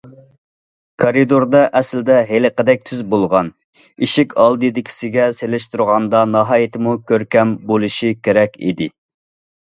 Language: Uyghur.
كارىدوردا ئەسلىدە ھېلىقىدەك تۈز بولغان، ئىشىك ئالدىدىكىسىگە سېلىشتۇرغاندا ناھايىتىمۇ كۆركەم بولۇشى كېرەك ئىدى.